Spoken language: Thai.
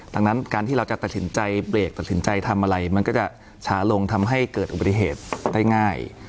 ดังนั้นการที่เราจะตัดสินใจเบรกตัดสินใจทำอะไรมันก็จะช้าลงทำให้เกิดอุบัติเหตุได้ง่าย